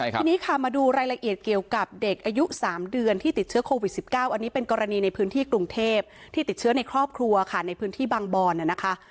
ทีนี้ค่ะมาดูรายละเอียดเกี่ยวกับเด็กอายุ๓เดือนที่ติดเชื้อโควิด๑๙อันนี้เป็นกรณีในพื้นที่กรุงเทพที่ติดเชื้อในครอบครัวค่ะในพื้นที่บางบอนนะคะ